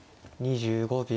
２５秒。